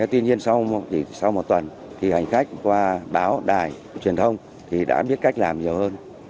tuy nhiên chỉ sau một tuần thì hành khách qua báo đài truyền thông thì đã biết cách làm nhiều hơn